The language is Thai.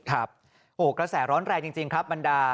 ครับโอ้โหกระแสร้อนแรงจริงครับบรรดา